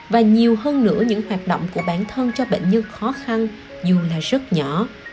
và nhiều hơn nữa những hoạt động của bản thân cho bệnh nhân khó khăn dù là rất nhỏ